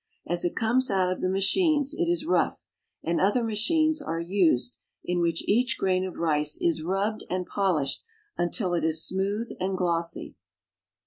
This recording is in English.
As it comes out of the machines it is rough, and other machines are used, in which each grain of rice is rubbed and polished until it is smooth and glossy.